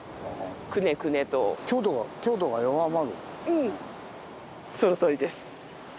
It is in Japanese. うんそのとおりです。